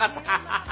ハハハ。